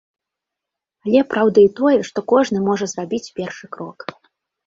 Але праўда і тое, што кожны можа зрабіць першы крок.